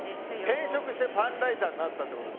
転職してパンライターになったと。